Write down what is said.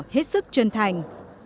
hết sức chân thành